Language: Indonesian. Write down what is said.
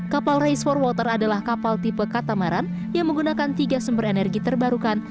kapal race for water adalah kapal tipe katamaran yang menggunakan tiga sumber energi terbarukan